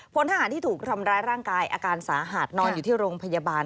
พลทหารที่ถูกทำร้ายร่างกายอาการสาหัสนอนอยู่ที่โรงพยาบาล